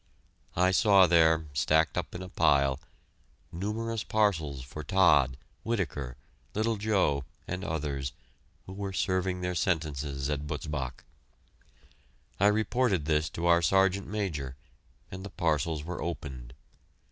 I saw there, stacked up in a pile, numerous parcels for Todd, Whittaker, Little Joe, and others, who were serving their sentences at Butzbach. I reported this to our Sergeant Major, and the parcels were opened.